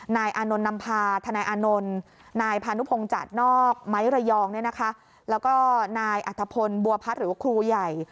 นายอานนท์นำพาทนายอานนท์นายพานุพงศ์จัดนอกไม้ระยองเนี่ยนะคะแล้วก็นายอัธพลบัวพัฒน์หรือว่าครูใหญ่